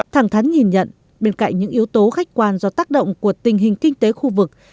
thẳng thắn nhìn nhận bên cạnh những yếu tố khách quan do tác động của tình hình kinh tế khu vực